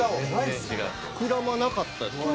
膨らまなかったですよ。